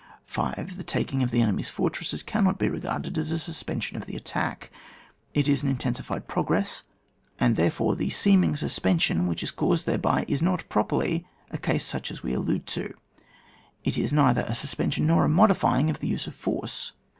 5. The taking of the enemy's fortrosses cannot be regarded as a suspension of the attack : it is an intensified progreas, CHAP. IV.] ENDS m WAR MORE PRECISELY LEFINEB. 61 and therefore the seeming^ suspension which is caused thereby is not properly a case such as we allude to, it is neither a suspension nor a modifying of the use of force.